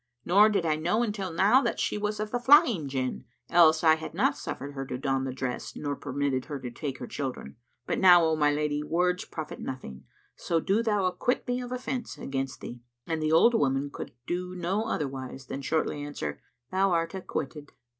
Nor did I know until now that she was of the Flying Jinn; else had I not suffered her to don the dress nor permitted her to take her children: but now, O my lady, words profit nothing; so do thou acquit me of offence against thee." And the old woman could do no otherwise than shortly answer, "Thou art acquitted!"